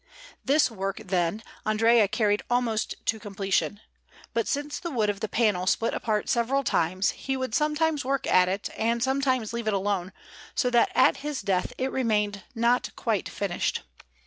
This work, then, Andrea carried almost to completion; but since the wood of the panel split apart several times, he would sometimes work at it, and sometimes leave it alone, so that at his death it remained not quite finished.